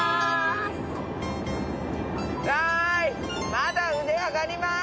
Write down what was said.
まだ腕上がります。